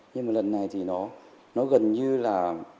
nhưng mà lần này thì nó gần như là